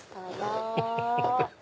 フフフフ！